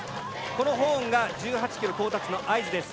このホーンが１８ｋｍ到達の合図です。